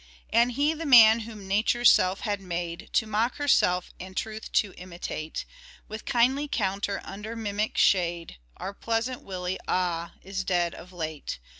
" And he the man whom Nature's self had made To mock herself and truth to imitate, With kindly counter under Mimic shade, Our pleasant Willie, ah ! is dead of late.